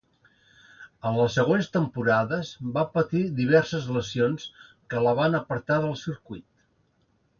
En les següents temporades va patir diverses lesions que la van apartar del circuit.